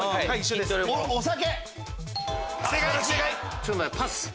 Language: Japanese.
ちょっとパス。